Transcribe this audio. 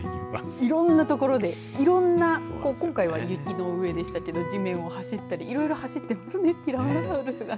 いろんな所で、いろんな今回は雪の上でしたけど地面を走ったりいろいろ走ってティラノサウルスがね。